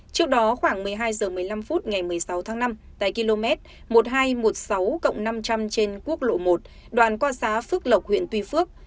trước đó khoảng một mươi hai h một mươi năm phút ngày một mươi sáu tháng năm tại km một nghìn hai trăm một mươi sáu năm trăm linh trên quốc lộ một đoạn qua xá phước lộc huyện tuy phước